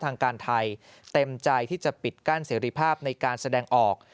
ทางการไทยเต็มใจที่จะปิดกั้นเสรีภาพในการแสดงออก